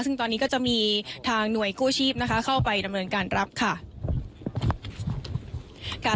ซึ่งตอนนี้ก็จะมีทางหน่วยกู้ชีพนะคะเข้าไปดำเนินการรับค่ะ